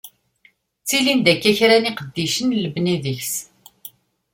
Ttilin-d akka kra n yiqeddicen n lebni deg-s.